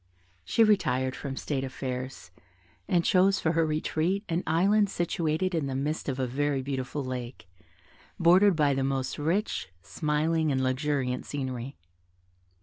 She retired from state affairs, and chose for her retreat an island situated in the midst of a very beautiful lake, bordered by the most rich, smiling, and luxuriant scenery.